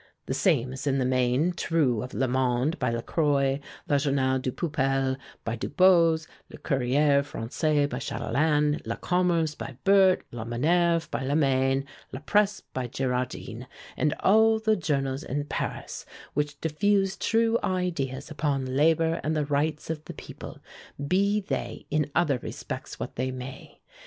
The same is in the main true of 'Le Monde,' by La Croix, 'Le Journal du Peuple,' by Dubose, 'Le Courier Français,' by Chatelain, 'La Commerce,' by Bert, 'La Minerve,' by Lemaine, 'La Presse,' by Girardin, and all the journals in Paris which diffuse true ideas upon labor and the rights of the people, be they in other respects what they may.